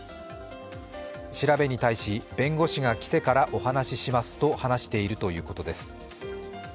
調べに対し、弁護士が来てからお話ししますと話しているということです。